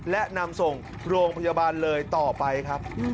และนำส่งโรงพยาบาลเลยต่อไปครับ